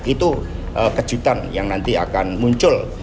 itu kejutan yang nanti akan muncul